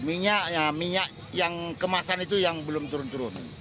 minyak minyak yang kemasan itu yang belum turun turun